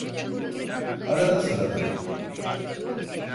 Arada sırada.